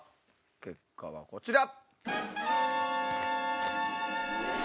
結果はこちら！